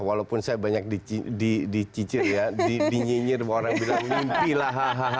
walaupun saya banyak dicicir ya dinyinyir orang bilang mimpi lah